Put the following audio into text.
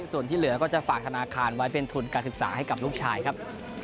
ส่วนที่เหลือก็จะฝากธนาคารไว้เป็นทุนการศึกษาให้กับลูกชายครับ